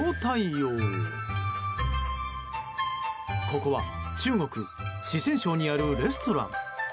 ここは中国・四川省にあるレストラン。